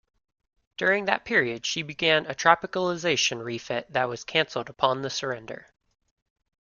During that period she began a tropicalization refit that was cancelled upon the surrender.